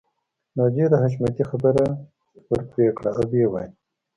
ناجیې د حشمتي خبره ورپرې کړه او ويې ويل